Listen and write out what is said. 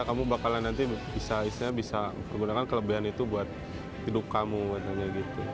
kamu bakalan nanti bisa menggunakan kelebihan itu buat hidup kamu katanya gitu